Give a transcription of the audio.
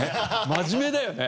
真面目だよね。